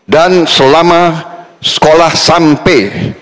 dan selama sekolah sampai